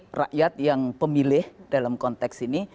rakyat yang pemilih dalam konteks ini